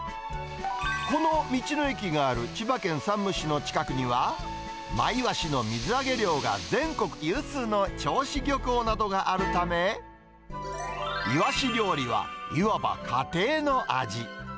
この道の駅がある千葉県山武市の近くには、マイワシの水揚げ量が全国有数の銚子漁港などがあるため、イワシ料理は、いわば家庭の味。